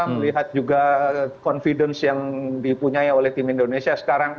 melihat juga confidence yang dipunyai oleh tim indonesia sekarang